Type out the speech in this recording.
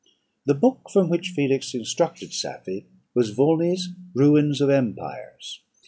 "The book from which Felix instructed Safie was Volney's 'Ruins of Empires.'